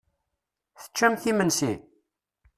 Teččamt imensi?